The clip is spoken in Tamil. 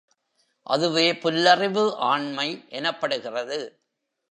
அதுவே புல்லறிவு ஆண்மை எனப்படுகிறது.